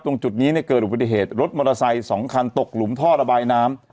ตรงจุดนี้เนี่ยเกิดอุบัติเหตุรถมอเตอร์ไซค์๒คันตกหลุมท่อระบายน้ำ